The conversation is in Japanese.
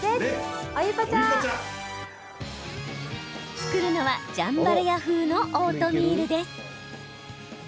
作るのは、ジャンバラヤ風のオートミールです。